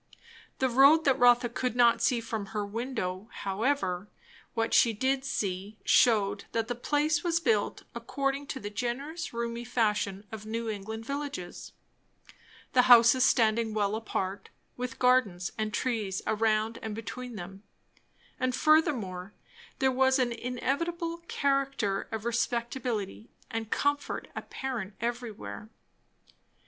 The road Rotha could not see from her window; however, what she did see shewed that the place was built according to the generous roomy fashion of New England villages; the houses standing well apart, with gardens and trees around and between them; and furthermore there was an inevitable character of respectability and comfort apparent everywhere.